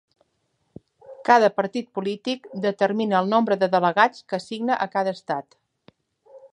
Cada partit polític determina el nombre de delegats que assigna a cada estat.